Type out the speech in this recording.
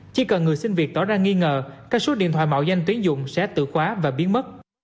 chỉ cần người xin việc tỏ ra nghi ngờ các số điện thoại mạo danh tuyến dụng sẽ tự khóa và biến mất